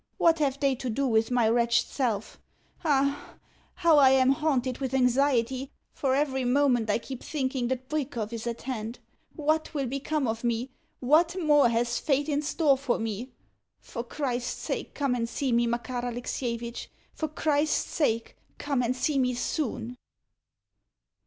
What have they to do with my wretched self? Ah, how I am haunted with anxiety, for every moment I keep thinking that Bwikov is at hand! WHAT will become of me? WHAT MORE has fate in store for me? For Christ's sake come and see me, Makar Alexievitch! For Christ's sake come and see me soon!